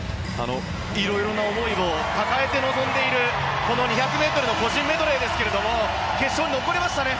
いろいろな思いを抱えて臨んでいるこの２００ｍの個人メドレーですけれども決勝に残りましたね。